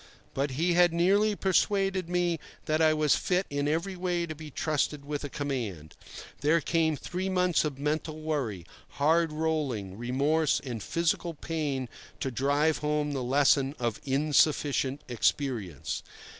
But he had nearly persuaded me that I was fit in every way to be trusted with a command. There came three months of mental worry, hard rolling, remorse, and physical pain to drive home the lesson of insufficient experience.